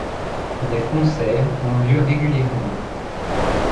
Des concerts ont lieu régulièrement.